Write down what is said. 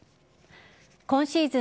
今シーズン